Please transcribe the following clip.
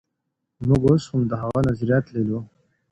موږ اوس هم د هغه نظريات لولو.